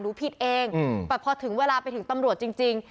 ผิดเองแต่พอถึงเวลาไปถึงตำรวจจริง